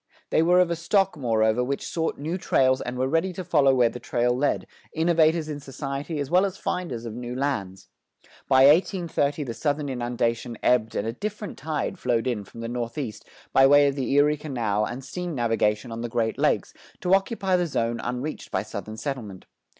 They were of a stock, moreover, which sought new trails and were ready to follow where the trail led, innovators in society as well as finders of new lands. By 1830 the Southern inundation ebbed and a different tide flowed in from the northeast by way of the Erie Canal and steam navigation on the Great Lakes to occupy the zone unreached by Southern settlement.